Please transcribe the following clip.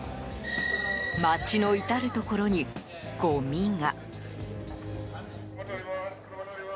街の至るところに、ごみが。